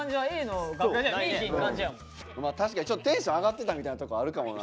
確かにちょっとテンション上がってたみたいなとこあるかもな。